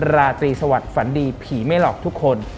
ราตรีสวัสดิฝันดีผีไม่หลอกทุกคน